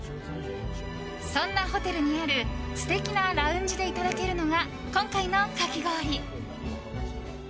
そんなホテルにある素敵なラウンジでいただけるのが今回のかき氷。